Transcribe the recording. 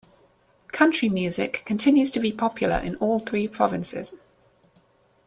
Country music continues to be popular in all three provinces.